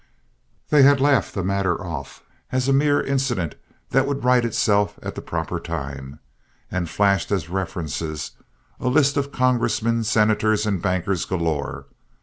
They had laughed the matter off as a mere incident that would right itself at the proper time, and flashed as references a list of congressmen, senators, and bankers galore.